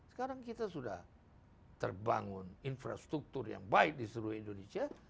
sekarang kita sudah terbangun infrastruktur yang baik di seluruh indonesia